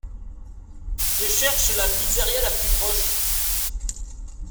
Je cherche la pizzeria la plus proche